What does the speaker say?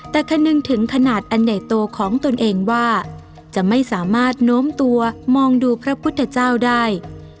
แต่คำนึงถึงขนาดอันใหญ่โตของตนเองว่าจะไม่สามารถโน้มตัวมองดูพระพุทธเจ้าได้